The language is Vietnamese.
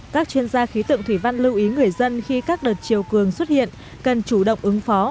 các chuyên gia khí tượng thủy văn lưu ý người dân khi các đợt chiều cường xuất hiện cần chủ động ứng phó